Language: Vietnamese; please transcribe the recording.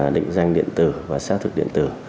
định danh điện tử và xác thực điện tử